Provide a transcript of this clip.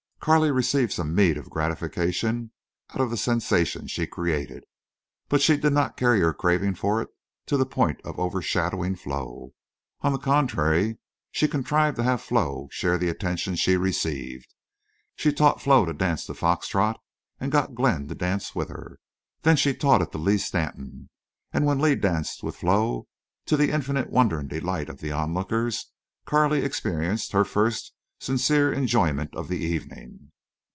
Carley received some meed of gratification out of the sensation she created, but she did not carry her craving for it to the point of overshadowing Flo. On the contrary, she contrived to have Flo share the attention she received. She taught Flo to dance the fox trot and got Glenn to dance with her. Then she taught it to Lee Stanton. And when Lee danced with Flo, to the infinite wonder and delight of the onlookers, Carley experienced her first sincere enjoyment of the evening.